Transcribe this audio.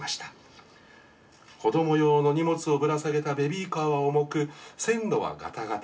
子ども用の荷物をぶら下げたベビーカーは重く線路はガタガタ。